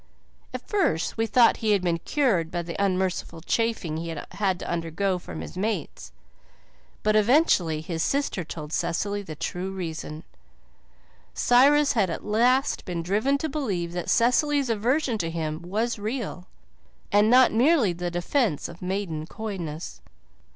At first we thought he had been cured by the unmerciful chaffing he had to undergo from his mates, but eventually his sister told Cecily the true reason. Cyrus had at last been driven to believe that Cecily's aversion to him was real, and not merely the defence of maiden coyness.